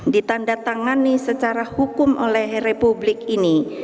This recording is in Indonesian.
ditanda tangani secara hukum oleh republik ini